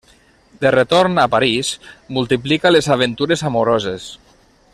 De retorn a París, multiplica les aventures amoroses.